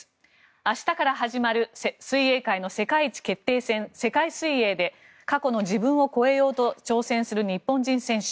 明日から始まる水泳界の世界一決定戦世界水泳で過去の自分を超えようと挑戦する日本人選手。